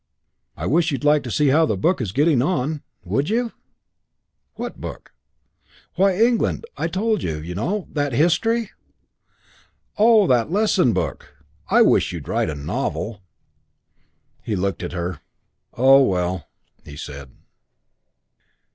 I wish you'd like to see how the book's getting on; would you?" "What book?" "Why 'England.' I told you, you know. That history." "Oh, that lesson book! I wish you'd write a novel." He looked at her. "Oh, well!" he said.